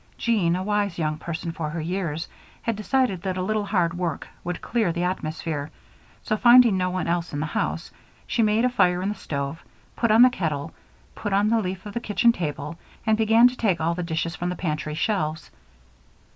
Jean, a wise young person for her years, had decided that a little hard work would clear the atmosphere, so, finding no one else in the house, she made a fire in the stove, put on the kettle, put up the leaf of the kitchen table, and began to take all the dishes from the pantry shelves.